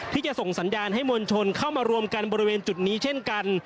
ที่จะส่งสัญญาณให้มวลชนเข้ามารวมกันบริเวณจุดนี้เช่นกัน